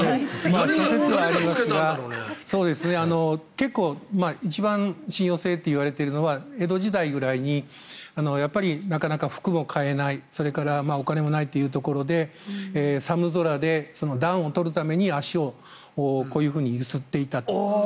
結構、一番信用性といわれているのは江戸時代ぐらいになかなか服を買えないそれからお金もないというところで寒空で暖を取るために足をこういうふうに揺すっていたと。